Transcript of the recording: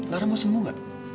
lara mau sembuh enggak